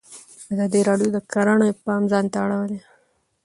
ازادي راډیو د کرهنه ته پام اړولی.